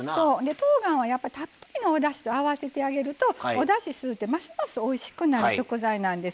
とうがんはたっぷりのおだしを合わせてあげるとおだし吸うてますますおいしくなる食材なんです。